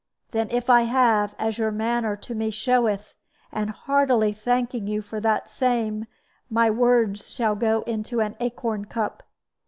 Then if I have, as your manner to me showeth, and heartily thanking you for that same, my words shall go into an acorn cup.